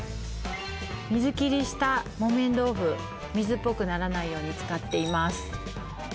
水切りした木綿豆腐水っぽくならないように使っています